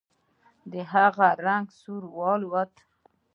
د هغه رنګ سور واوښت.